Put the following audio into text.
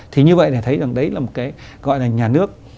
thì như vậy để thấy rằng đấy là một cái gọi là nhà nước